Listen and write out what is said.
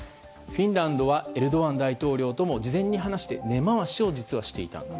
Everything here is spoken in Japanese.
フィンランドはエルドアン大統領とも事前に話して根回しを実はしていた。